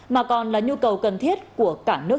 mà còn là nhu cầu cần thiết của cả nước